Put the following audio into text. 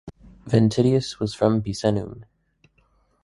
Ventidius was from Picenum.